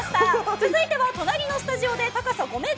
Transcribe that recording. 続いては隣のスタジオで高さ５ｍ！